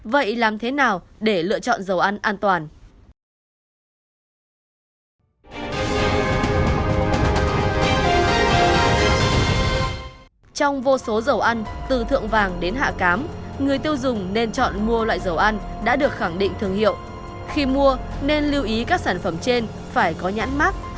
vậy làm thế nào để lựa chọn dầu ăn an toàn